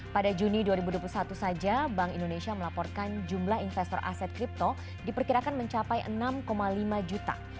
pada juni dua ribu dua puluh satu saja bank indonesia melaporkan jumlah investor aset kripto diperkirakan mencapai enam lima juta